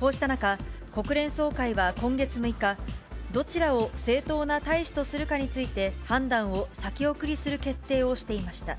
こうした中、国連総会は今月６日、どちらを正当な大使とするかについて判断を先送りする決定をしていました。